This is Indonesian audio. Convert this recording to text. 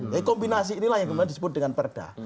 jadi kombinasi inilah yang disebut dengan perda